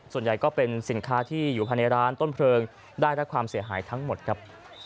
ส่วนใหญ่ก็เป็นสินค้าที่อยู่ภายในร้านต้นเพลิงได้รับความเสียหายทั้งหมดครับ